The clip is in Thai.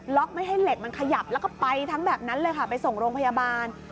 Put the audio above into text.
ไม่ให้เหล็กมันขยับแล้วก็ไปทั้งแบบนั้นเลยค่ะไปส่งโรงพยาบาล